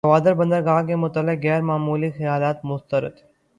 گوادر بندرگاہ سے متعلق غیر معمولی خیالات مسترد